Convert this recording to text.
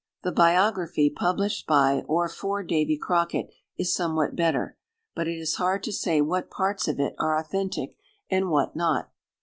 The biography published by or for Davy Crockett is somewhat better, but it is hard to say what parts of it are authentic and what not.